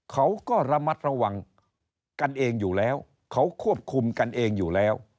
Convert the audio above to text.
เขาก็ระมัดระวังกันเองอยู่แล้วเขาควบคุมกันเองอยู่แล้ว